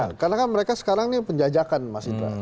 ya karena kan mereka sekarang ini penjajakan mas itra